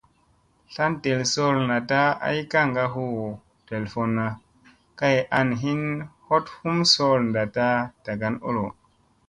Tlan ɗel sool naɗta ay kaŋga hu telfunna kay an hin hoɗ hum sool naɗta ɗagan olo.